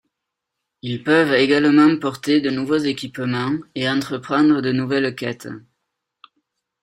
Ils peuvent également porter de nouveaux équipements et entreprendre de nouvelles quêtes.